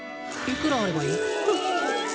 いくらあればいい？